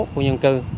khu nhân cư